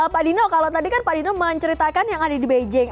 pak dino kalau tadi kan pak dino menceritakan yang ada di beijing